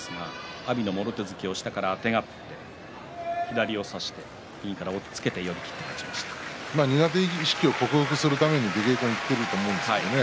阿炎のもろ手突きを下からあてがって左を差して右から押っつけて寄り切って苦手意識を克服するために出稽古に行っていると思うんです。